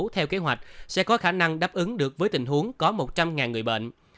theo kế hoạch sẽ có khả năng đáp ứng được với tình huống có một trăm linh người bệnh